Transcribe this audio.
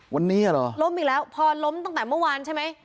วันนี้เหรอล้มอีกแล้วพอล้มตั้งแต่เมื่อวานใช่ไหม